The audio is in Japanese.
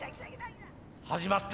始まった。